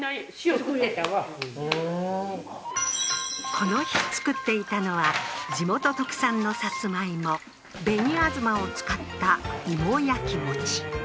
この日作っていたのは地元特産のさつまいも紅あずまを使った芋焼き餅